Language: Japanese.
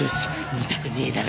見たくねえだろ！？